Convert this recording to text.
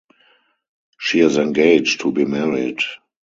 She is engaged to be married.